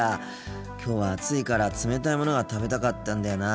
きょうは暑いから冷たいものが食べたかったんだよな。